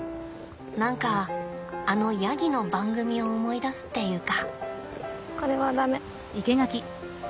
何かあのヤギの番組を思い出すっていうか。